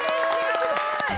わすごい！